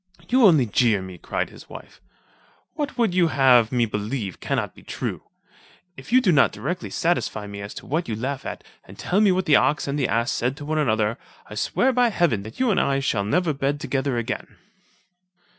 "You only jeer me," cried his wife, "what you would have me believe cannot be true. If you do not directly satisfy me as to what you laugh at, and tell me what the ox and the ass said to one another, I swear by heaven that you and I shall never bed together again."